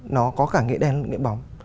nó có cả nghĩa đen và nghĩa bóng